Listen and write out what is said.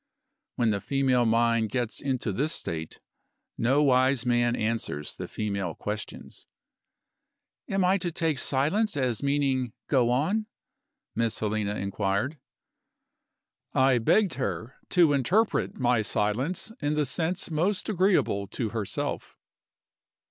When the female mind gets into this state, no wise man answers the female questions. "Am I to take silence as meaning Go on?" Miss Helena inquired. I begged her to interpret my silence in the sense most agreeable to herself.